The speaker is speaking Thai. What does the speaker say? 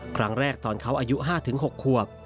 ครั้งแรกตอนเขาอายุ๕ถึง๖ควบ